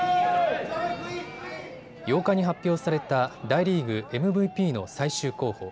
８日に発表された大リーグＭＶＰの最終候補。